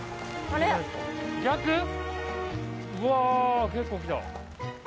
うわぁ結構きた。